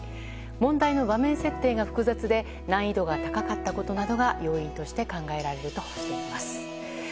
問題の場面設定が複雑で難易度が高かったことなどが要因として考えられるとしています。